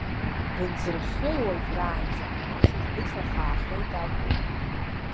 Бынзырхазеи уажәраанӡа, ашьыжь быцәа хаахеит акәу?